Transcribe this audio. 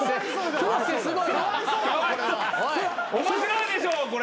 面白いでしょこれ。